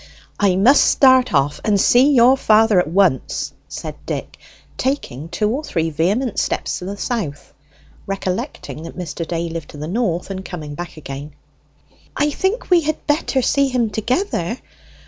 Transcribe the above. "I must start off and see your father at once!" said Dick, taking two or three vehement steps to the south, recollecting that Mr. Day lived to the north, and coming back again. "I think we had better see him together.